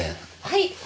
はい。